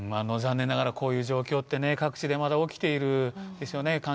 残念ながらこういう状況ってね各地でまだ起きているんですよね。